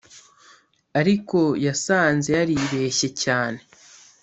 ariko yasanze yaribeshye cyane